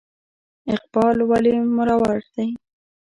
اقبال ولې مرور دی ؟